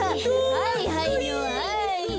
はいはいのはい。